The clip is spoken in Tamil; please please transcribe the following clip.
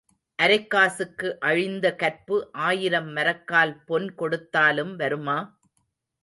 அரைக் காசுக்கு அழிந்த கற்பு ஆயிரம் மரக்கால் பொன் கொடுத்தாலும் வருமா?